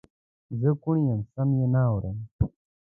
زه کوڼ یم سم یې نه اورم